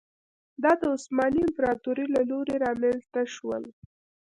دا د عثماني امپراتورۍ له لوري رامنځته شول.